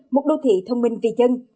một đô thị thông minh vi chân